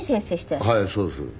はいそうです。